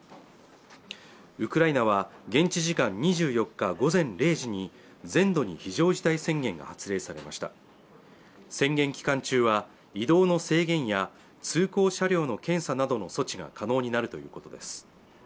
ウクライナは現地時間２４日午前０時に全土に非常事態宣言が発令されました宣言期間中は移動の制限や通行車両の検査などの措置が可能になるということです